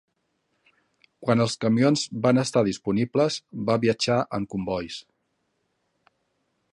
Quan els camions van estar disponibles, van viatjar en combois.